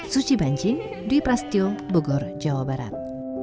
suci bancing dwi prasetyo bogor jawa barat